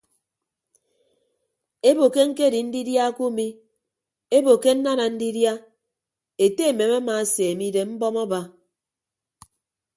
Ebo ke ñkedi ndidia kumi ebo ke nnana ndidia ete emem amaaseeme idem mbọm aba.